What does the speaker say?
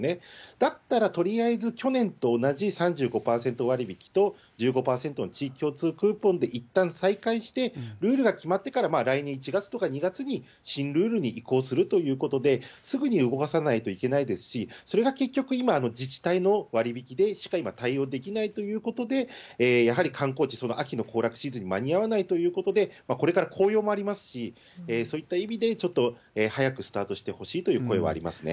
だったら、とりあえず去年と同じ３５％割引と、１５％の地域共通クーポンでいったん再開して、ルールが決まってから、来年１月とか２月に、新ルールに移行するということで、すぐに動かさないといけないですし、それが結局、今、自治体の割引でしか今対応できないということで、やはり観光地、秋の行楽シーズンに間に合わないということで、これから紅葉もありますし、そういった意味で、ちょっと早くスタートしてほしいという声はありますね。